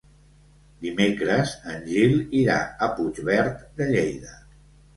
Dimecres en Gil irà a Puigverd de Lleida.